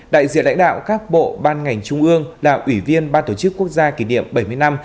đại diện lãnh đạo các bộ ban ngành trung ương là ủy viên ban tổ chức quốc gia kỷ niệm bảy mươi năm